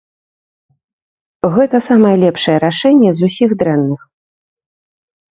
Гэтае самае лепшае рашэнне з усіх дрэнных.